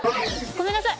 ごめんなさい